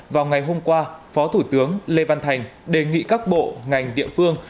vào ngày hôm qua phó thủ tướng lê văn thành đề nghị các bộ ngành địa phương